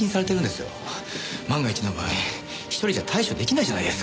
万が一の場合１人じゃ対処出来ないじゃないですか。